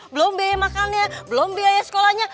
belum biaya makannya belum biaya sekolahnya